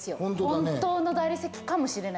本当の大理石かもしれない。